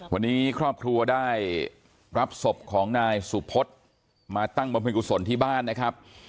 วันนี้ครอบครัวได้รับศพของนายสุพธมาตั้งบำเพ็ญกุศลที่บ้านนะครับ